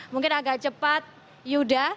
mungkin agak cepat yuda